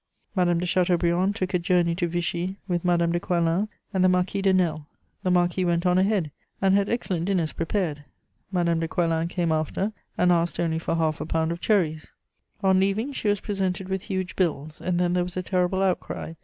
Madame de Chateaubriand took a journey to Vichy with Madame de Coislin and the Marquis de Nesle; the marquis went on ahead, and had excellent dinners prepared. Madame de Coislin came after, and asked only for half a pound of cherries. On leaving, she was presented with huge bills, and then there was a terrible outcry.